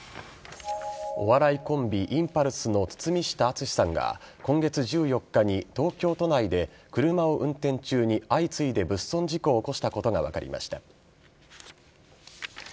お笑いコンビインパルスの堤下敦さんが今月１４日に東京都内で車を運転中に相次いで物損事故を起こしたことが分かりました。